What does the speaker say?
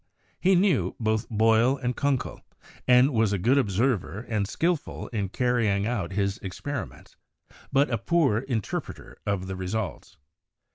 He knew both Boyle and Kunckel, and was a good observer and skilful in carrying out his experi ments, but a poor interpreter of results.